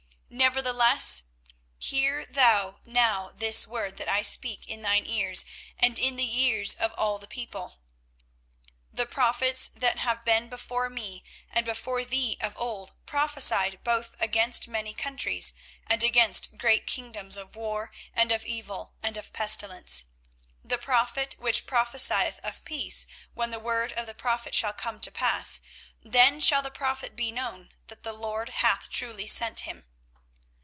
24:028:007 Nevertheless hear thou now this word that I speak in thine ears, and in the ears of all the people; 24:028:008 The prophets that have been before me and before thee of old prophesied both against many countries, and against great kingdoms, of war, and of evil, and of pestilence. 24:028:009 The prophet which prophesieth of peace, when the word of the prophet shall come to pass, then shall the prophet be known, that the LORD hath truly sent him.